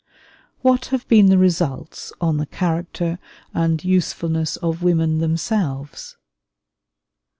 What have been the results on the character and usefulness of women themselves?